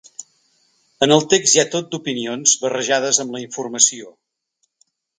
En el text hi ha tot d’opinions barrejades amb la informació.